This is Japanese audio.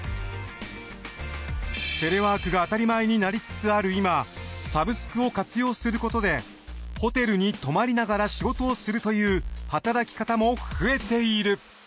テレワークが当たり前になりつつある今サブスクを活用することでホテルに泊まりながら仕事をするという働き方も増えている。